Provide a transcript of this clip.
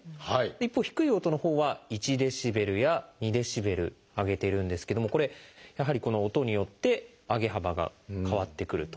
一方低い音のほうは１ｄＢや２ｄＢ上げているんですけどもこれやはりこの音によって上げ幅が変わってくると。